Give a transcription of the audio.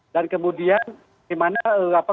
dan kemudian gimana